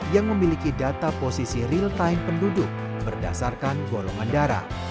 yang memiliki data posisi real time penduduk berdasarkan golongan darah